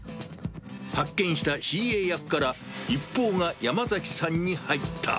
発見したＣＡ役から一報が山崎さんに入った。